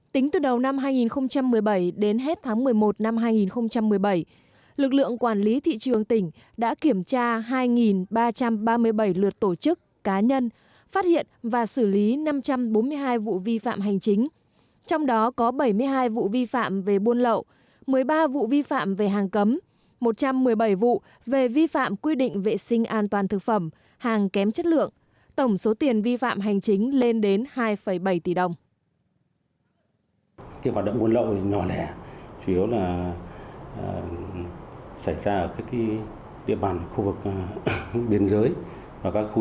tính từ đầu năm hai nghìn một mươi bảy đến hết tháng một mươi một năm hai nghìn một mươi bảy lực lượng quản lý thị trường tỉnh đã kiểm tra hai ba trăm ba mươi bảy lượt tổ chức cá nhân phát hiện và xử lý năm trăm bốn mươi hai vụ vi phạm hành chính